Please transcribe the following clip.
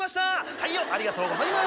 はいよありがとうございます！